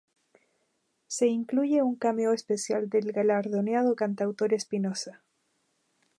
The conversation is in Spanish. Se incluye un cameo especial del galardonado cantautor Espinoza.